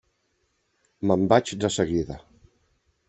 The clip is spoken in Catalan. Me'n vaig de seguida.